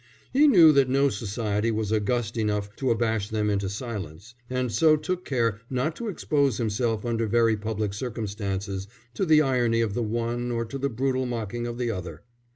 He knew that no society was august enough to abash them into silence, and so took care not to expose himself under very public circumstances to the irony of the one or to the brutal mocking of the other.